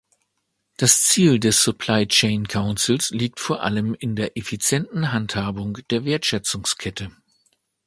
Das Ziel des Supply-Chain Councils liegt vor allem in der effizienten Handhabung der Wertschöpfungskette.